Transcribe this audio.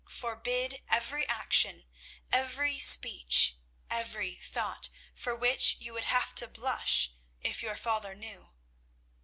Forbid every action, every speech, every thought for which you would have to blush if your father knew.